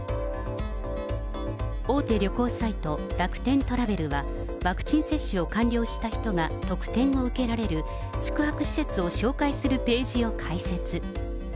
大手旅行サイト、楽天トラベルは、ワクチン接種を完了した人が特典を受けられる、宿泊施設を紹介するページを開設。